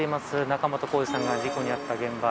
仲本工事さんが事故にあった現場